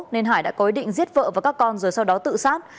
nên hải đã có ý định giết vợ và các con rồi sau đó tự sát